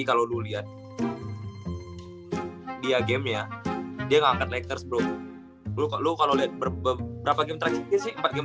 kalau lu lihat dia gamenya dia ngangkat lexers bro lu kalau lihat berapa game terakhir sih empat game